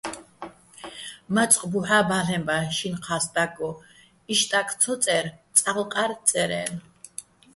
მაწყ ბუჰ̦ა́ ბალ'ენბა შინ-ჴა სტაკგო: იშტაკ ცო წე́რ, "წალო̆-ყალო̆" წერ-ა́ჲნო̆.